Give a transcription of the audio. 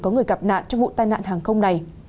có người gặp nạn trong vụ tai nạn hàng không này